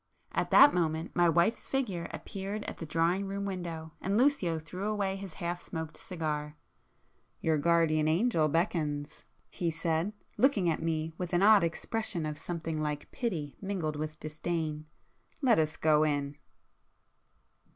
At that moment my wife's figure appeared at the drawing room window, and Lucio threw away his half smoked cigar. "Your guardian angel beckons!" he said, looking at me an odd expression of something like pity mingled with disdain,—"Let us go in."